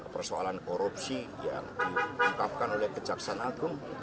persoalan korupsi yang diungkapkan oleh kejaksaan agung